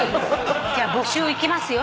じゃあ募集いきますよ。